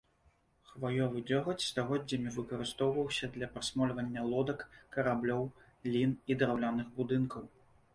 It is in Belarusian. Хваёвы дзёгаць стагоддзямі выкарыстоўваўся для прасмольвання лодак, караблёў, лін і драўляных будынкаў.